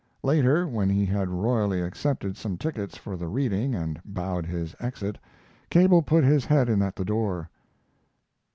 Later, when he had royally accepted some tickets for the reading and bowed his exit, Cable put his head in at the door.